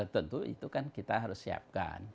tentu itu kan kita harus siapkan